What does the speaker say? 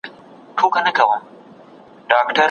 له ښکلا ییز حس پرته څېړنه له خپلي لاري وځي.